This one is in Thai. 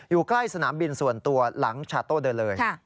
อยู่ใกล้สนามบินส่วนตัวหลังชาโต้เดินเลย